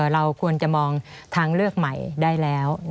เราควรจะมองทางเลือกใหม่ได้แล้ว